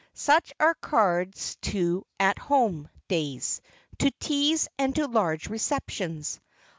Such are cards to "At Home" days, to teas and to large receptions.